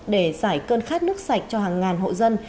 để giải cơn khát nước sạch cho hàng ngàn hộ dân